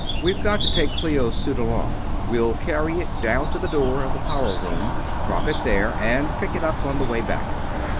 We've got to take Clio's suit along we'll carry it down to the door of the power room, drop it there, and pick it up on the way back."